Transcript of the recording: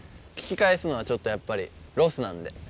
引き返すのはちょっとやっぱりロスなんで。